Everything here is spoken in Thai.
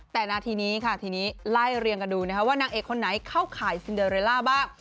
แต่นาทีนี้ค่ะทีนี้ไล่เรียงกันดูนะคะว่านางเอกคนไหนเข้าข่ายซินเดอเรลล่าบ้าง